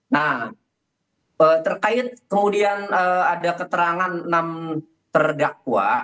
nah terkait kemudian ada keterangan enam terdakwa